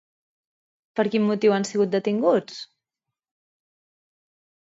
Per quin motiu han sigut detinguts?